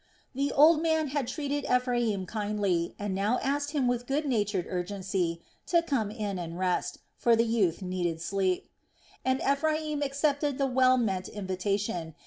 The old man had treated Ephraim kindly, and now asked him with good natured urgency to come in and rest; for the youth needed sleep. And Ephraim accepted the well meant invitation.